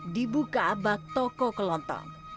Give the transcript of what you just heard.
dibuka abad toko kelontong